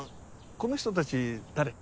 この人たち誰？